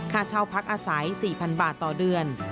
ค่าเช่าพักอาศัย๔๐๐๐บาทต่อเดือน